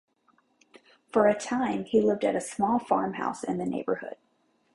For a time he lived at a small farmhouse in the neighbourhood.